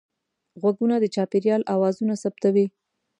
غوږونه د چاپېریال اوازونه ثبتوي